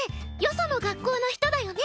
その学校の人だよね？